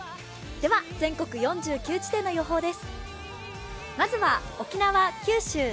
全国４９地点の予報です。